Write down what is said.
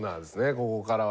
ここからは。